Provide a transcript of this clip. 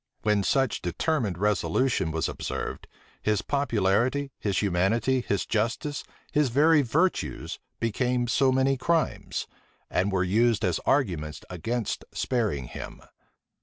When such determined resolution was observed, his popularity, his humanity, his justice, his very virtues, became so many crimes, and were used as arguments against sparing him.